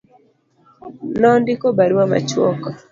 Nondiko barua machuok.